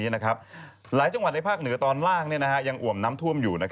หลายจังหวัดในภาคเหนือตอนล่างยังอ่วมน้ำท่วมอยู่